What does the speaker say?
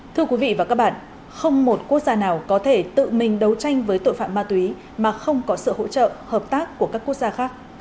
thưa quý vị và các bạn không một quốc gia nào có thể tự mình đấu tranh với tội phạm ma túy mà không có sự hỗ trợ hợp tác của các quốc gia khác